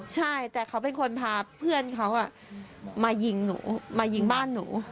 ใช่แต่เขาเป็นคนพาเพื่อนเขามายิงหนูมายิงบ้านหนู